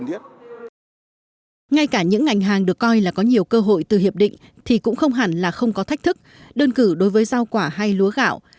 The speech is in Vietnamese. ngay cả những ngành hàng được coi là có nhiều cơ hội từ hiệp định thì cũng không hẳn là không có thách thức đơn cử đối với rau quả hay lúa gạo